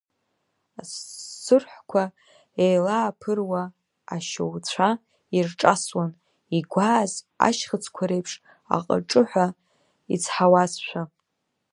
Асырҳәқәа еилаԥыруа ашьоуцәа ирҿасуан, игәааз ашьхыцқәа реиԥш аҟыҿыҳәа ицҳауазшәа.